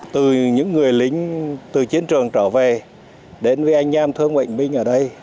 từ những người lính từ chiến trường trở về đến với anh em thương bệnh binh ở đây